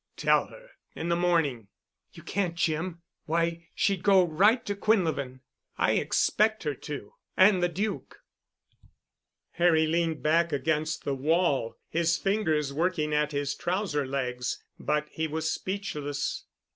"Tell her—in the morning." "You can't, Jim. Why, she'd go right to Quinlevin." "I expect her to—and the Duke." Harry leaned back against the wall, his fingers working at his trouser legs, but he was speechless.